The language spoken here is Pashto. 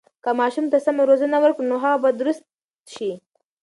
که ماشوم ته سمه روزنه ورکړو، نو هغه به درست شي.